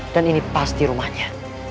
dan ini pasti rumahnya